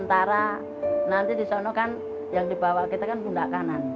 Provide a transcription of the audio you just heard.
karena nanti di sana kan yang dibawa kita kan bunda kanan